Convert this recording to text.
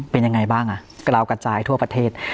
เป็นอย่างไรบ้างกระลาษกระจายทั่วประเทศ